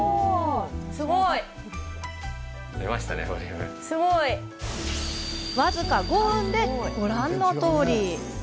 すごい。僅か５分で、ご覧のとおり。